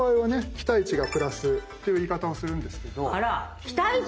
期待値がプラスという言い方をするんですけど。